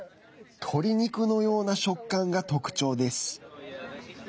鶏肉のような食感が特徴です。